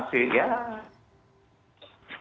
jadi peternak masih ya